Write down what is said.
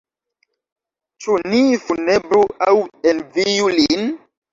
Ĉu ni funebru aŭ enviu lin?